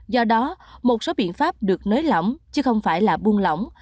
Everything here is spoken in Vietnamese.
do đó một số biện pháp được nới lỏng chứ không phải là buông lỏng